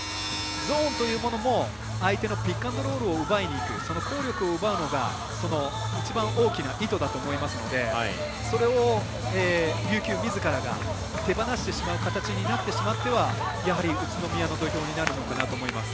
ゾーンというものも相手のピックアンドロールを奪いにいく抗力を奪いにいくのが一番大きな意図だと思いますのでそれを琉球みずからが手放してしまう形になってしまってはやはり、宇都宮の土俵になるのかなと思います。